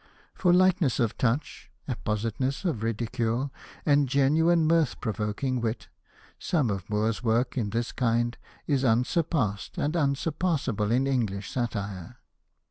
For light ness of touch, appositeness of ridicule and genuine m.irth provoking wit, some of Moore's work in this kind is unsurpassed and unsurpassable in English satire.